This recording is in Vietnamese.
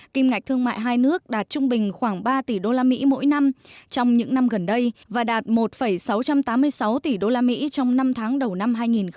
kim ngạch thương mại hai nước đạt trung bình khoảng ba tỷ đô la mỹ mỗi năm trong những năm gần đây và đạt một sáu trăm tám mươi sáu tỷ đô la mỹ trong năm tháng đầu năm hai nghìn một mươi bảy